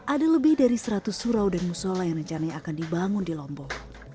ada lebih dari seratus surau dan musola yang rencananya akan dibangun di lombok